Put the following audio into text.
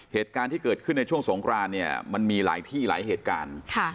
เหตุการณ์ที่เกิดขึ้นในช่วงสงครานเนี่ยมันมีหลายที่หลายเหตุการณ์